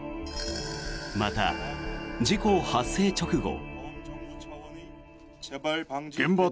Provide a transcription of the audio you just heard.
また、事故発生直後。